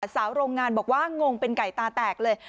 สาวโรงงานบอกว่างงเป็นไก่ตาแตกเลย